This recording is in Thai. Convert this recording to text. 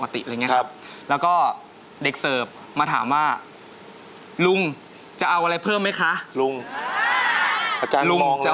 แต่ใจยังไหวอยู่นะ